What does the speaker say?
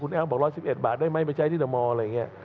คุณเอ้าบอกร้อยสิบเอ็ดบาทได้ไหมไปใช้ที่อะไรเงี้ย